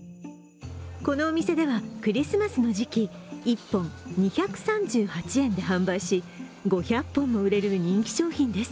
このお店では、クリスマスの時期１本２３８円で販売し５００本も売れる人気商品です。